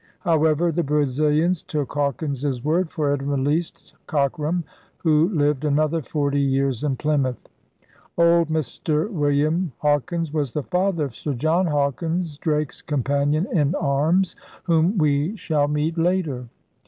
However, the Brazilians took Hawkins's word for it and released Cockeram, who lived another forty years in Plymouth. *01de M. William Haukins' was the father of Sir John Hawkins, Drake's companion in arms, whom we shall meet later.